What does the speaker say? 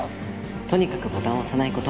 とにかくボタンを押さない事。